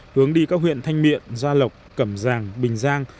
hướng đi các huyện thanh miện gia lộc cẩm giàng bình giang